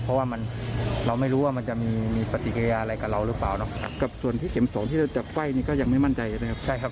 ก็ยังไม่มั่นใจใช่ไหมครับใช่ครับไม่มั่นใจครับ